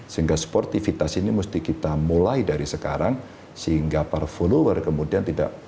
sehingga sportivitas ini mesti kita mulai dari sekarang sehingga para follower kemudian tidak